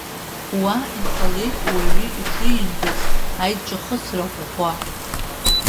Уа иҟалеит уаҩы ишимбац аиҿахысра ӷәӷәа.